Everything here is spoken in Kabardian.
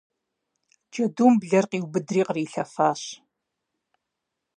Джэдум блэр къиубыдри кърилъэфащ.